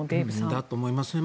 だと思いますよね。